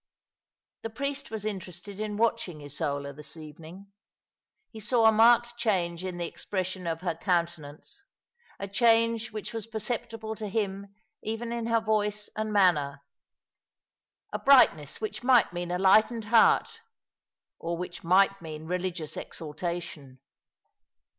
The priest was interested in watching Isola this evening. He saw a marked change in the expression of her counte nance, a change which was perceptible to him even in her voice and manner — a brightness which might mean a lightened heart, or which might moan religious exalta tion.